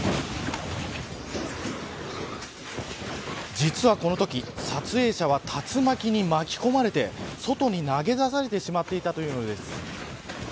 実はこのとき、撮影者は竜巻に巻き込まれて外に投げ出されてしまっていたというのです。